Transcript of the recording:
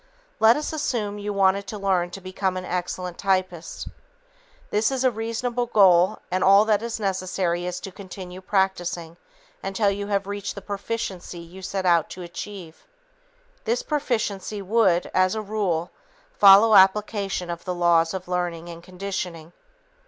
Let us assume you wanted to learn to become an excellent typist. This is a reasonable goal and all that is necessary is to continue practicing until you have reached the proficiency you set out to achieve. This proficiency would, as a rule, follow application of the laws of learning and conditioning.